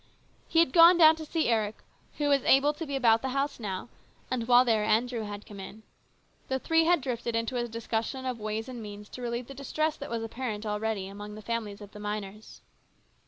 He had gone down to see Eric, who was able to be about the house now, and while there Andrew had come in. The three had drifted into a discussion of ways and means to relieve the distress that w*as apparent already among the families of the miners.